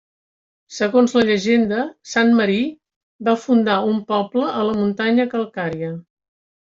Segons la llegenda, sant Marí va fundar un poble a la muntanya calcària.